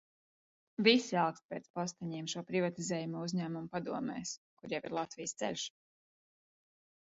"Visi alkst pēc posteņiem šo privatizējamo uzņēmumu padomēs, kur jau ir "Latvijas ceļš"."